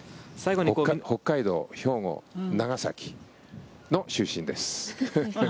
北海道、兵庫、長崎の出身です。